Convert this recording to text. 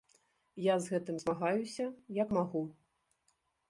Я з гэтым змагаюся, як магу.